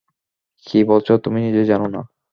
কী বলছ তুমি নিজেই জানো না।